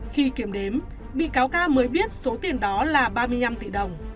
khi kiểm đếm bị cáo ca mới biết số tiền đó là ba mươi năm tỷ đồng